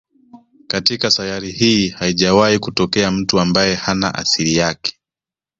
Katika sayari hii haijawahi kutokea mtu ambaye hana asili yake